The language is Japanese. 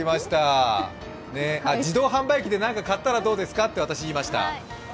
自動販売機で何か買ったらどうですかって、私、言いました。